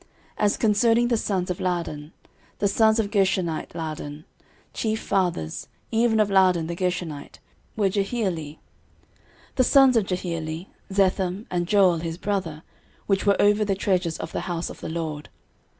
13:026:021 As concerning the sons of Laadan; the sons of the Gershonite Laadan, chief fathers, even of Laadan the Gershonite, were Jehieli. 13:026:022 The sons of Jehieli; Zetham, and Joel his brother, which were over the treasures of the house of the LORD.